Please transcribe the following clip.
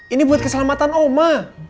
ini buat keselamatan omah